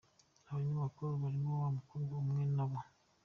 Abanyamakuru barimo wa mukobwa umwe na bo….